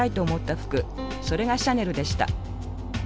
それがシャネルでした。